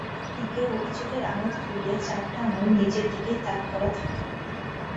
কারো দিকে অভিযোগের আঙুল তুললে, চারটা আঙুল নিজের দিকেই তাঁক করা থাকে।